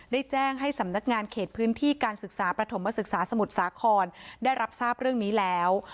ได้แจ้งให้สำนักงานเขตพื้นที่การศึกษาประถมศึกษาสมุทรสาครได้รับทราบเรื่องนี้แล้ว